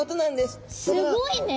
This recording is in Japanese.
すごいね。